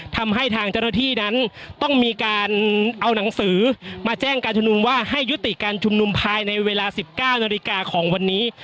ทำให้ทางเจ้าหน้าที่นั้นต้องมีการเอาหนังสือมาแจ้งการชุมนุมว่าให้ยุติการชุมนุมภายในเวลา๑๙นาฬิกาของวันนี้